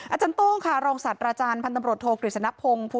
อาจารย์โต้งค่ะรองศัตริย์ราชาญพันธมรตโทกฤษณพงศ์